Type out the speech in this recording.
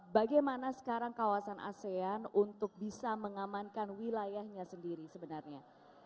bagaimana sekarang kawasan asean untuk bisa mengamankan wilayahnya sendiri sebenarnya